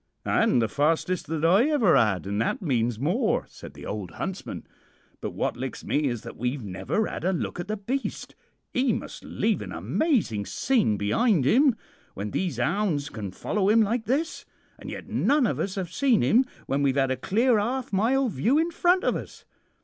"'And the fastest that ever I 'ad, an' that means more,' said the old huntsman. 'But what licks me is that we've never 'ad a look at the beast. 'E must leave an amazin' scent be'ind 'im when these 'ounds can follow 'im like this, and yet none of us have seen 'im when we've 'ad a clear 'alf mile view in front of us.'